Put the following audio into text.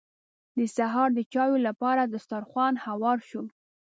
د سهار د چايو لپاره دسترخوان هوار شو.